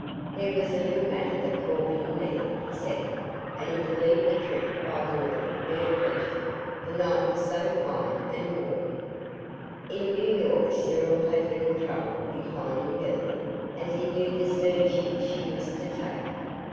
There was a little matter that called him there, he said, and he believed the trip by water would be a pleasure, the night was so fine and warm. In New York Cyril had little trouble in finding Billy, as he knew the steamship she was to take.